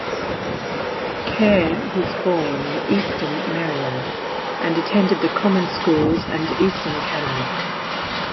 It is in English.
Kerr was born in Easton, Maryland, and attended the common schools and Easton Academy.